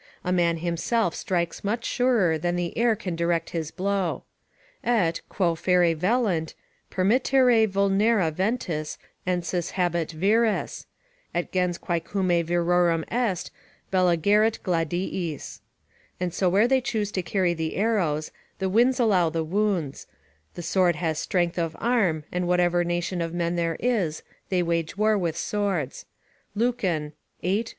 A man himself strikes much surer than the air can direct his blow: "Et, quo ferre velint, permittere vulnera ventis Ensis habet vires; et gens quaecumque virorum est, Bella gerit gladiis." ["And so where they choose to carry [the arrows], the winds allow the wounds; the sword has strength of arm: and whatever nation of men there is, they wage war with swords." Lucan, viii.